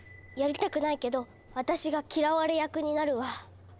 やりたくないけど私が嫌われ役になるわ。